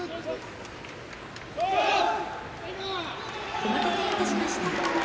お待たせいたしました。